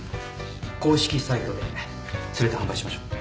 公式サイトで全て販売しましょう。